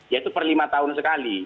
yaitu per lima tahun sekali